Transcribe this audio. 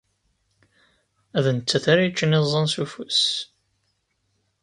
D nettat ara yeččen iẓẓan s ufus.